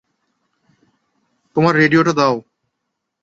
তোমার রেডিওটা দাও।